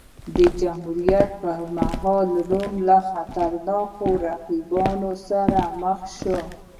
د جمهوریت پرمهال روم له خطرناکو رقیبانو سره مخ شو.